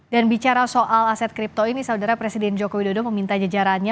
dan bicara soal aset kripto ini saudara presiden jokowi dodo meminta jajarannya